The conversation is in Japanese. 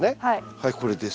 はいこれです。